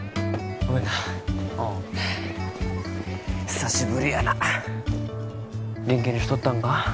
久しぶりやな元気にしとったんか？